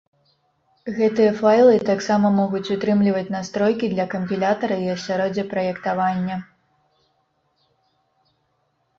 Гэтыя файлы таксама могуць утрымліваць настройкі для кампілятара і асяроддзя праектавання.